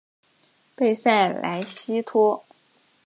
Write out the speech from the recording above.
贝塞莱西托。